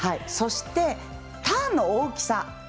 そして、ターンの大きさ。